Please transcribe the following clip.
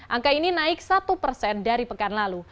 angka ini naik satu persen dari pekan lalu